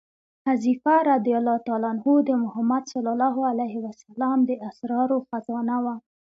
حذیفه رض د محمد صلی الله علیه وسلم د اسرارو خزانه وه.